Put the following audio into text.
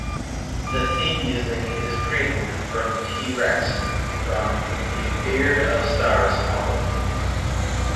The theme music is "Prelude" by T. Rex from "A Beard of Stars" album.